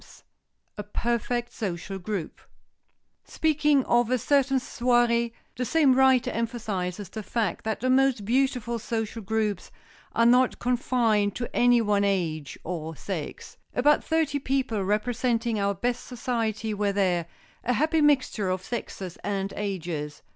[Sidenote: A PERFECT SOCIAL GROUP] Speaking of a certain soirée, the same writer emphasizes the fact that the most beautiful social groups are not confined to any one age or sex. "About thirty people representing our best society were there, a happy mixture of sexes and ages.